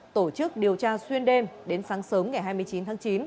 tổ chức điều tra xuyên đêm đến sáng sớm ngày hai mươi chín tháng chín